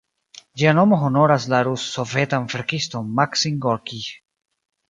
Ĝia nomo honoras la rus-sovetan verkiston Maksim Gorkij.